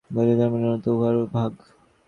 বৌদ্ধধর্মের নূতনত্ব উহার সামাজিক ভাগ।